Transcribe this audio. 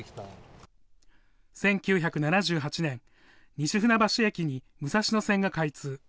１９７８年、西船橋駅に武蔵野線が開通。